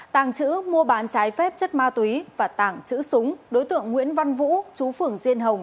tàng chữ mua bán trái phép chất ma túy và tàng chữ súng đối tượng nguyễn văn vũ chú phưởng diên hồng